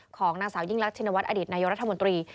ของนางสายิ่งลักษณ์ชินวัตรอดิษฐ์นายรัฐมนตรี